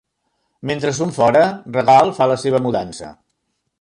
Mentre són fora, Regal fa la seva mudança.